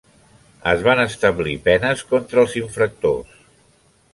Es van establir penes contra els infractors.